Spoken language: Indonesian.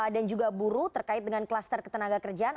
dan juga buru terkait dengan kluster ketenaga kerjaan